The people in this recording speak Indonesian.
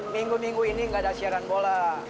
minggu minggu ini nggak ada siaran bola